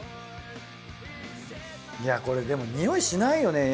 いやでもこれにおいしないよね。